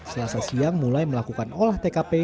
selasa siang mulai melakukan olah tkp